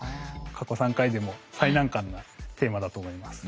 過去３回でも最難関なテーマだと思います。